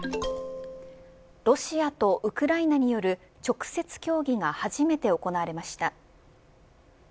ロシアとウクライナによる直接協議が初めて行われました。